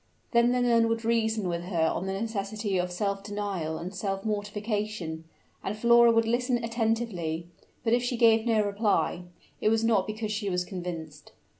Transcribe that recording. Then the nun would reason with her on the necessity of self denial and self mortification; and Flora would listen attentively; but if she gave no reply, it was not because she was convinced.